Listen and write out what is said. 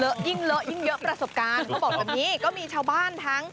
เหลอะยิ่งเหลอะยิ่งเยอะประสบการณ์เขาบอกแบบนี้